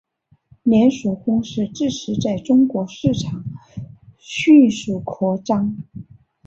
连锁公司自此在中国市场迅速扩张。